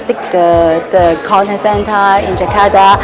saya menghadiri kontak center di jakarta